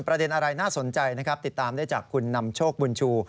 ประเด็นอะไรน่าสนใจนะครับติดตามได้จากคุณนำโชคบุญชู